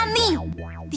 gila gak sih